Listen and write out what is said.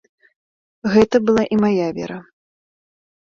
Гэта была і мая вера.